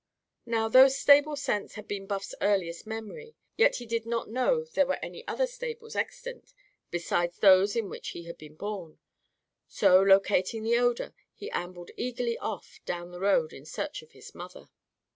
Now, though stable scents had been Buff's earliest memory, yet he did not know there were any other stables extant besides those in which he had been born. So, locating the odour, he ambled eagerly off down the road in search of his mother.